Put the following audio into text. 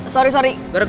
manjar gua marah